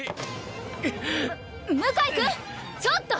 む向井君ちょっと！